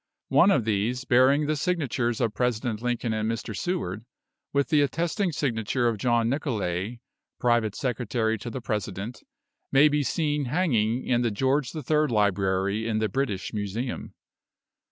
One of these, bearing the signatures of President Lincoln and Mr. Seward, with the attesting signature of John Nicolay, Private Secretary to the President, may be seen hanging in the George the Third Library in the British Museum.